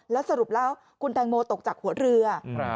แล้วสรุปแล้วคุณแตงโมตกจากหัวเรือ